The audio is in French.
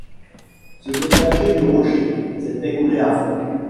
Se dégager du rocher, c’était couler à fond.